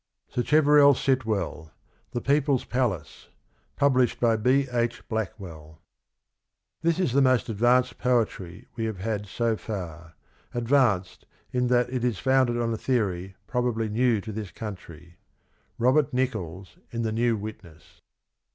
Sacheverell Sitwell. THE PEOPLE'S PALACE. Published by B. H. Blackwell. " This is the most ' advanced ' poetry we have had so far ;' advanced,' in that it is founded on a theory probably new to this country." — Robert Nichols in The New WitJiess.